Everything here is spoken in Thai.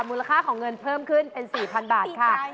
มูลค่าของเงินเพิ่มขึ้นเป็น๔๐๐๐บาทค่ะ